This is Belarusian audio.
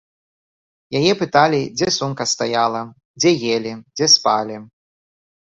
Яе пыталі, дзе сумка стаяла, дзе елі, дзе спалі.